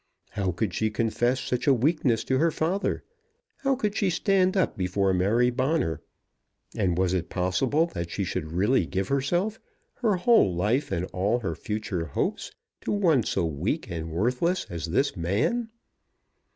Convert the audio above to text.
How could she confess such a weakness to her father? How could she stand up before Mary Bonner? And was it possible that she should really give herself, her whole life, and all her future hopes, to one so weak and worthless as this man?